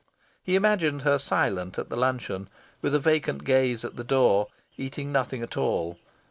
He imagined her silent at the luncheon, with a vacant gaze at the door, eating nothing at all.